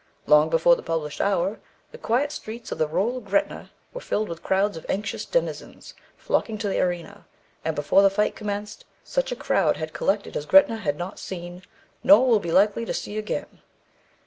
Long before the published hour, the quiet streets of the rural Gretna were filled with crowds of anxious denizens, flocking to the arena, and before the fight commenced, such a crowd had collected as Gretna had not seen, nor will be likely to see again.